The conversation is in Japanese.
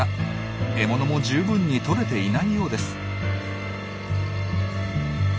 獲物も十分にとれていないようです。